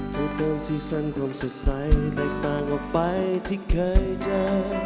เติมสีสันความสดใสแตกต่างออกไปที่เคยเจอ